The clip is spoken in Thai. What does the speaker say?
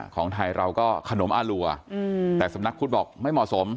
ของไทยเราก็ขนมอารัวแต่สำนักพุทธบอกไม่เหมาะสม